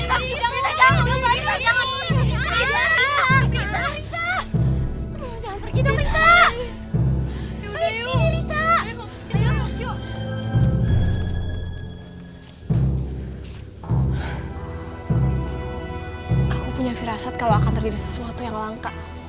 aku punya firasat kalau akan terjadi sesuatu yang langka